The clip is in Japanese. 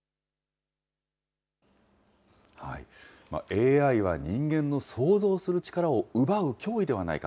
ＡＩは人間の創造する力を奪う脅威ではないか。